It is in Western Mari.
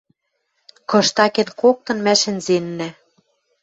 Кыштакен коктын мӓ шӹнзеннӓ